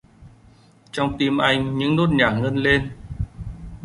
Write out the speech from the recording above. Trong tim anh những nốt nhạc ngân lên